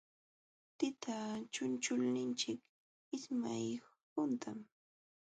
Tita chunchulninchik ismay huntam.